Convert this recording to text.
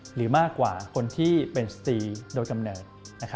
หรือมากกว่าคนที่เป็นสตรีโดยกำเนิด